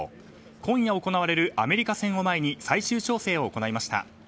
今夜、行われるアメリカ戦を前に最終調整を行いました。